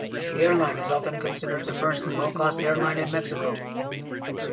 The airline is often considered the first low-cost airline in Mexico.